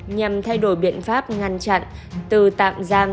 nhằm thay đổi biện pháp ngăn chặn từ tạm giam